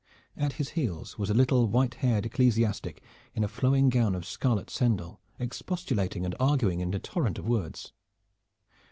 At his heels was a little white haired ecclesiastic in a flowing gown of scarlet sendal, expostulating and arguing in a torrent of words.